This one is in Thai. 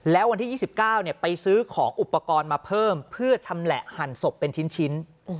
แล้ววันที่๒๙ไปซื้อของอุปกรณ์มาเพิ่มเพื่อชำแหละหั่นศพเป็นชิ้น